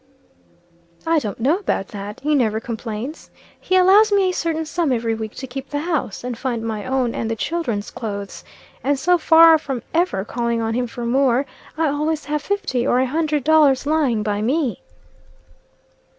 "I don't know about that. He never complains. He allows me a certain sum every week to keep the house, and find my own and the children's clothes; and so far from ever calling on him for more, I always have fifty or a hundred dollars lying by me."